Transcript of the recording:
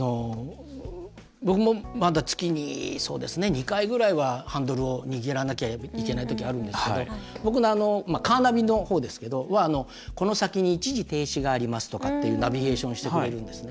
僕もまだ月に２回ぐらいはハンドルを握らなきゃいけないときがあるんですけど僕、カーナビのほうはこの先に一時停止がありますとかナビゲーションをしてくれるんですね。